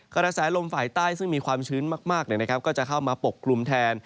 กระแสลมฝ่ายใต้ซึ่งมีความชื้นมากก็จะเข้ามาปกกลุ่มแทน